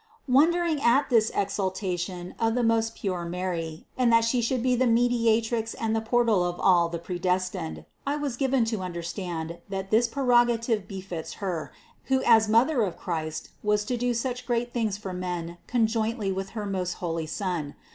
275. Wondering at this exaltation of the most pure Mary and that She should be the Mediatrix and the por tal of all the predestined, I was given to understand that this prerogative befits Her, who as Mother of Christ was to do such great things for men conjointly with her most holy Son.